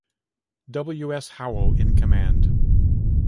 W. S. Howell in command.